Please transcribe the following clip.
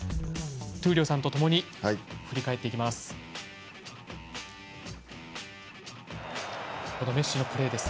闘莉王さんとともに振り返っていきます。